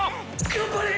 頑張れ！